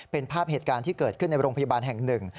เป็นภาพเหตุการณ์ที่เกิดขึ้นในโรงพยาบาลแห่งหนึ่ง